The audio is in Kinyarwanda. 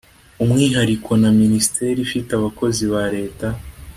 umwihariko na minisiteri ifite abakozi ba leta